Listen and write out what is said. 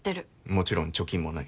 もちろん貯金もない。